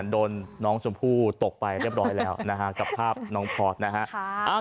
โดนน้องชมพู่ตกไปเรียบร้อยแล้วนะฮะกับภาพน้องพอร์ตนะฮะ